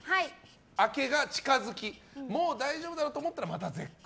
明けが近づいてもう大丈夫だろうと思ったらまた絶句。